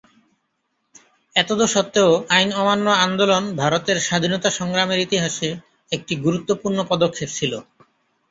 এতদসত্ত্বেও আইন অমান্য আন্দোলন ভারতের স্বাধীনতা সংগ্রামের ইতিহাসে একটি গুরুত্বপূর্ণ পদক্ষেপ ছিল।